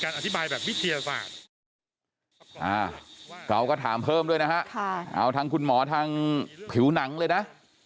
เราก็ถามเพิ่มด้วยนะฮะเอาทางคุณหมอทางผิวหนังเลยนะ